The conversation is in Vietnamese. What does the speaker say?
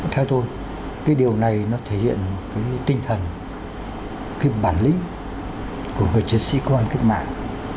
theo tôi điều này thể hiện tinh thần bản lĩnh của người chiến sĩ công an kết mạng